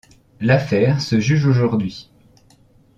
L’affaire se juge aujourd’hui.